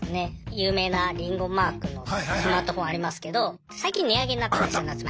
有名なリンゴマークのスマートフォンありますけど最近値上げになったんですよ夏前。